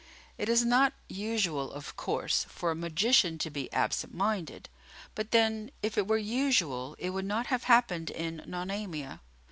It is not usual, of course, for a magician to be absent minded; but then, if it were usual it would not have happened in Nonamia.